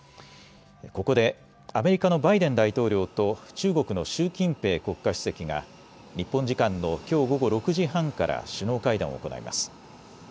ここでアメリカのバイデン大統領と中国の習近平国家主席が日本時間のきょう午後６時半から首脳会談を行います。